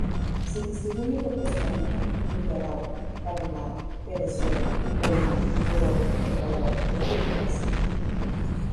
Se distribuye por Costa Rica, Nicaragua, Panamá, Venezuela, Bolivia, Colombia, Ecuador, Perú y Brasil.